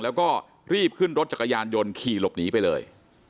แล้วก็รีบขึ้นรถจักรยานยนต์ขี่หลบหนีไปเลย